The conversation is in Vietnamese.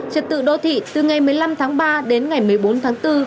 trật tự đô thị từ ngày một mươi năm tháng ba đến ngày một mươi bốn tháng bốn